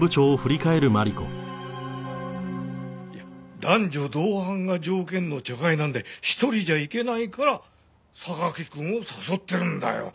いや男女同伴が条件の茶会なんで１人じゃ行けないから榊くんを誘ってるんだよ。